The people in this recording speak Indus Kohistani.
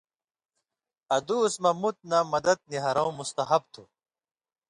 ادُوس مہ مُت نہ مدد نِی ہَرٶں مستحب تھُو۔